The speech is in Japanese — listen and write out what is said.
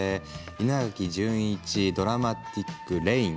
稲垣潤一「ドラマティック・レイン」。